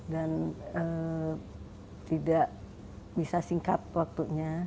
dan tidak bisa singkat waktunya